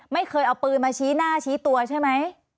ไม่เคยเอาปืนมาชี้หน้าชี้ตัวใช่ไหม